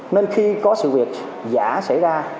nên khi có sự việc giả xảy ra